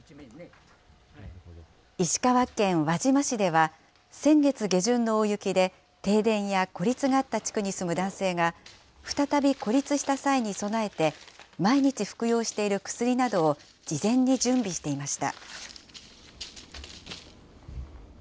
石川県輪島市では、先月下旬の大雪で、停電や孤立があった地区に住む男性が、再び孤立した際に備えて、毎日服用している薬などを事前に準備していました。